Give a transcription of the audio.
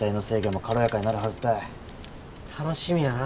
楽しみやな。